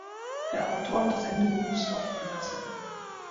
Der Autor hat das Ende bewusst offen gelassen.